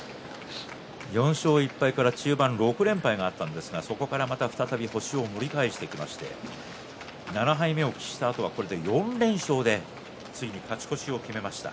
４勝１敗から中盤６連敗があったんですがそこからまた星を再び盛り返してきて７敗目を喫したあとはこれで４連勝でついに勝ち越しを決めました。